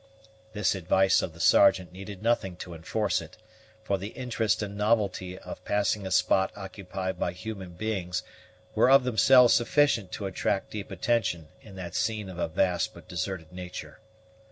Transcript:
This advice of the Sergeant needed nothing to enforce it; for the interest and novelty of passing a spot occupied by human beings were of themselves sufficient to attract deep attention in that scene of a vast but deserted nature.